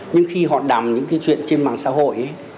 nhưng khi họ đàm những cái chuyện trên mạng xã hội ấy